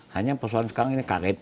hanya persoalan sekarang ini karet